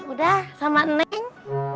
udah sama neng